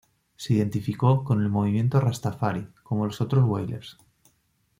Se identificó con el movimiento rastafari, como los otros Wailers.